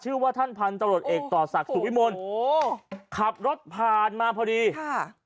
ชื่อว่าท่านพันธุ์ตำรวจเอกต่อศักดิ์สุวิมลโอ้ขับรถผ่านมาพอดีค่ะ